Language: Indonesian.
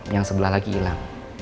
yang sebelah lagi hilang